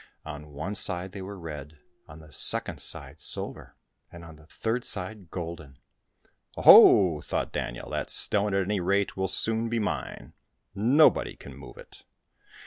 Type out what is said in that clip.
On one side they were red, on the second side silver, and on the third side golden. " Oh ho," thought Daniel, " that stone, at any rate, will soon be mine. Nobody can move it."